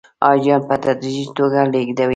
حاجیان په تدریجي توګه لېږدوي.